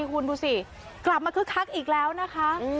คุณดูสิกลับมาคึกคักอีกแล้วนะคะ